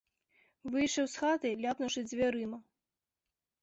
Выйшаў з хаты, ляпнуўшы дзвярыма.